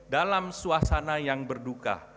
dalam suasana yang berduka